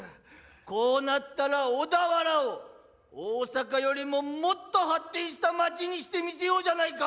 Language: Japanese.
こうなったら小田原を大坂よりももっと発展した町にしてみせようじゃないか！